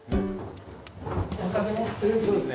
そうですね。